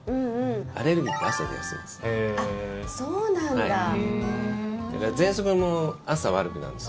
アレルギーって朝、出やすいんです。